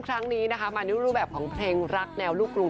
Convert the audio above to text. ครั้งนี้นะคะมาเรียนรู้รูปแบบของแรกแนวลูกรุง